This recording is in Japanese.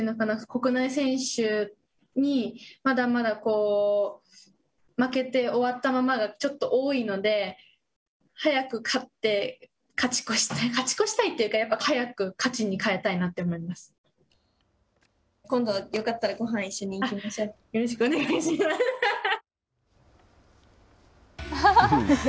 国内選手にまだまだ負けて終わったままがちょっと多いので早く勝って、勝ち越したい勝ち越したいというかやっぱり早く勝ちに変えたいなっ今度よかったらよろしくお願いします。